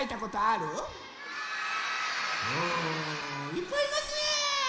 いっぱいいますね。